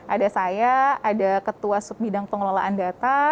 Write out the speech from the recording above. ada saya ada ketua sub bidang pengelolaan data